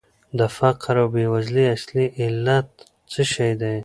د فقر او بېوزلۍ اصلي علت څه شی دی؟